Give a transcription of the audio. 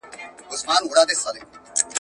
بي کاري د ټولني د تباهۍ سبب کیږي.